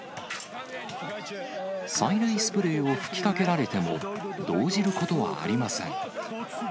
催涙スプレーを吹きかけられても、動じることはありません。